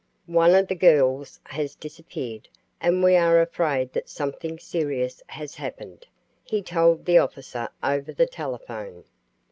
"One of the girls has disappeared, and we are afraid that something serious has happened," he told the officer over the telephone.